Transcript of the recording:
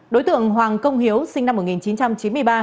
đối tượng hoàng công hiếu sinh năm một nghìn chín trăm chín mươi ba